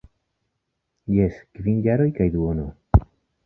Jes, kvin jaroj kaj duono.